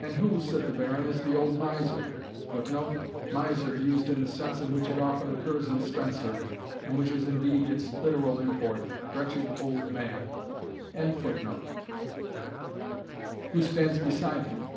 "And who," said the Baron, "is the old miser [Footnote: Miser, used in the sense in which it often occurs in Spenser, and which is indeed its literal import "wretched old man."] who stands beside him?"